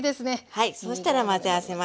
はいそうしたら混ぜ合わせます。